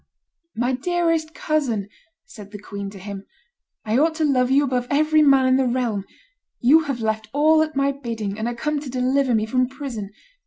"My dearest cousin," said the queen to him, "I ought to love you above every man in the realm; you have left all at my bidding, and are come to deliver me from prison.